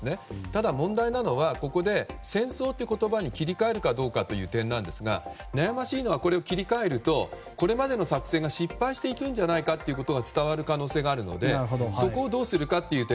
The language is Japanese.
ただ、問題なのはここで戦争という言葉に切り替えるかという点なんですが悩ましいのはこれを切り替えるとこれまでの作戦が失敗していたんじゃないかということが伝わる可能性があるのでそこをどうするか。